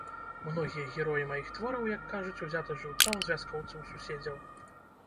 Многія героі маіх твораў, як кажуць, узяты жыўцом з вяскоўцаў-суседзяў.